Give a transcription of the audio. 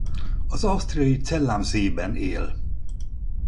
Az ausztriai Zell am Seeben él.